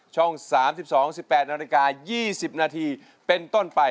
ช่อง๓๒๑๘น๒๐นเป็นต้นไป